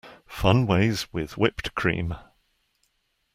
Fun ways with whipped cream.